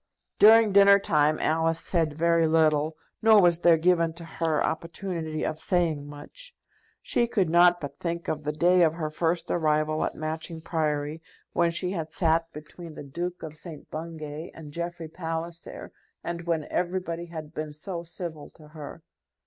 During dinner time Alice said very little, nor was there given to her opportunity of saying much. She could not but think of the day of her first arrival at Matching Priory, when she had sat between the Duke of St. Bungay and Jeffrey Palliser, and when everybody had been so civil to her!